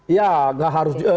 iya gak harus